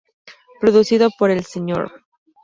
Producido por El Sr.